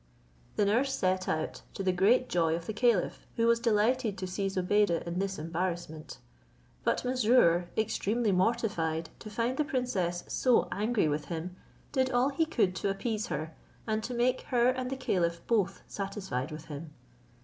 The nurse set out, to the great joy of the caliph, who was delighted to see Zobeide in this embarrassment; but Mesrour, extremely mortified to find the princess so angry with him, did all he could to appease her, and to make her and the caliph both satisfied with him.